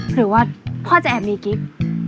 หรือว่าพ่อจะแอบมีกิ๊ก